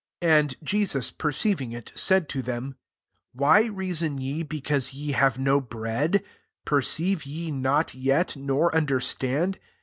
17 And Jesus perceiving it, said to them, •* Why reason je because ye have no bread ? per ceive ye not yet, nor understand?